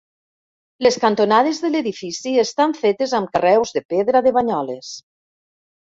Les cantonades de l'edifici estan fetes amb carreus de pedra de Banyoles.